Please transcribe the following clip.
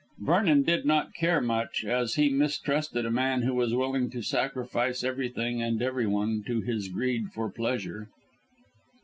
Vernon did not care much, as he mistrusted a man who was willing to sacrifice everything and everyone to his greed for pleasure.